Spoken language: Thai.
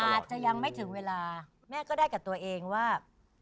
อาจจะยังไม่ถึงเวลาแม่ก็ได้กับตัวเองว่า